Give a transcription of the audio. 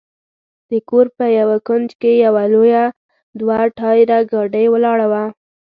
د کور په یوه کونج کې یوه لویه دوه ټایره ګاډۍ ولاړه وه.